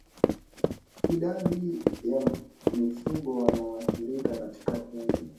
Idadi ya mifugo wanaoathirika katika kundi